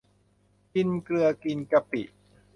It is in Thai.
กินเกลือกินกะปิ